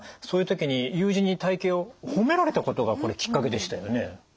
そういう時に友人に体型を褒められたことがこれきっかけでしたよね。